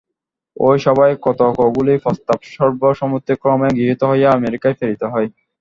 ঐ সভায় কতকগুলি প্রস্তাব সর্বসম্মতিক্রমে গৃহীত হইয়া আমেরিকায় প্রেরিত হয়।